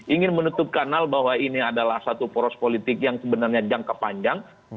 ingin menutupkan hal bahwa ini adalah satu foros politik yang sebenarnya jangka panjang